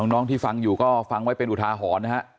น้องที่ฟังอยู่ก็ฟังไว้เป็นอุทาหรณ์นะฮะ